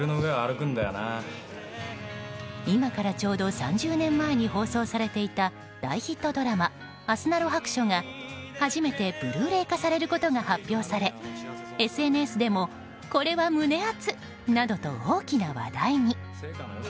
今からちょうど３０年前に放送されていた大ヒットドラマ「あすなろ白書」が初めてブルーレイ化されることが発表されＳＮＳでも、これは胸熱！などと大きな話題に。